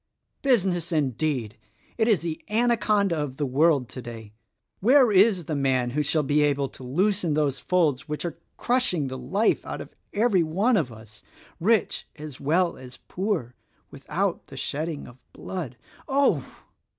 Business indeed! It is the anaconda of the world today Where is the man who shall be able to loosen those folds which are crushing the life out of every one of us, rich as well as poor, without the shedding of blood? Oh!"